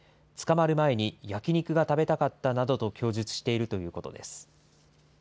捕まる前に焼き肉が食べたかったなどと供述しているということです。